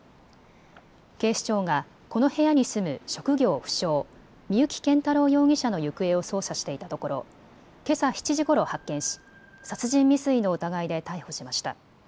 警視庁がこの部屋に住む職業不詳、三幸謙太郎容疑者の行方を捜査していたところけさ７時ごろ発見し殺人未遂の疑いで逮捕しました。